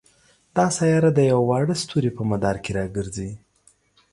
دا سیاره د یوه واړه ستوري په مدار کې را ګرځي.